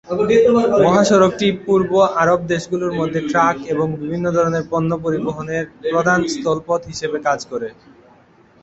মহাসড়কটি পূর্ব আরব দেশগুলোর মধ্যে ট্রাক এবং বিভিন্ন ধরণের পণ্য পরিবহনের প্রধান স্থল পথ হিসেবে কাজ করে।